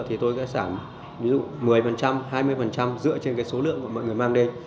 thì tôi sẽ sản ví dụ một mươi hai mươi dựa trên cái số lượng mà mọi người mang đây